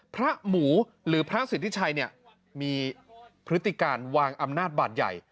พระหมู่หรือพระศริริชัยมีพฤติการวางอำนาจบาดใหญ่